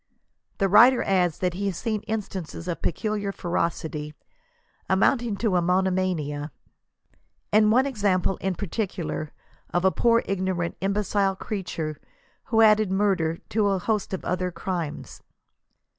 The writer adds that he has seen instances of peculiar ferocity, amounting to a monomania, — and one esse in pait^ar, of a poor ignorant, imbecile creature, who added murder to a host of other crimes.